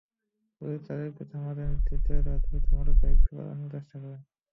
Police তাঁদের থামতে নির্দেশ দিলে তাঁরা দ্রুত মোটরসাইকেল নিয়ে পালানোর চেষ্টা করেন।